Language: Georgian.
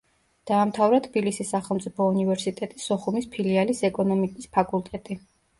დაამთავრა თბილისის სახელმწიფო უნივერსიტეტი სოხუმის ფილიალის ეკონომიკის ფაკულტეტი.